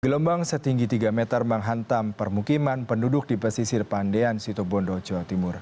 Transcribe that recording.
gelombang setinggi tiga meter menghantam permukiman penduduk di pesisir pandean situbondo jawa timur